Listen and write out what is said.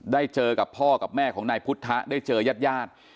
ได้เจอกับพ่อกับแม่ของนายพุทธะได้เจอยาด